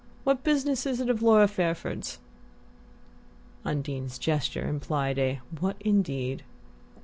What business is it of Laura Fairford's?" Undine's gesture implied a "What indeed?"